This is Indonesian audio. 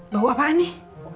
bau apaan nih